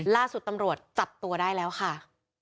ล่าสุดตำรวจจับตัวได้แล้วค่ะ